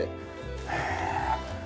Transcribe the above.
へえ。